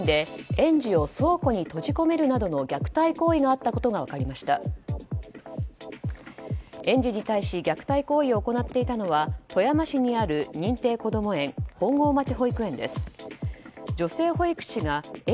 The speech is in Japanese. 園児に対し虐待行為を行っていたのは富山市にある認定こども園